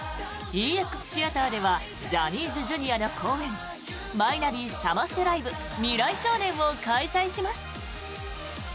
ＥＸＴＨＥＡＴＥＲではジャニーズＪｒ．の公演「マイナビサマステライブ未来少年」を開催します。